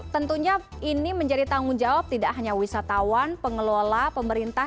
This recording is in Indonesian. tentunya ini menjadi tanggung jawab tidak hanya wisatawan pengelola pemerintah